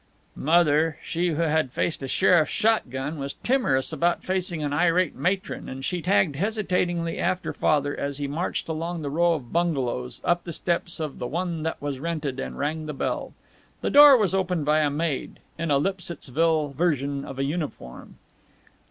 Mother, she who had faced a sheriff's shot gun, was timorous about facing an irate matron, and she tagged hesitatingly after Father as he marched along the row of bungalows, up the steps of the one that was rented, and rang the bell. The door was opened by a maid, in a Lipsittsville version of a uniform.